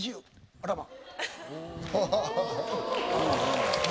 あらま。